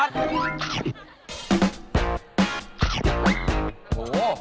โอ้โหร้อนหรือ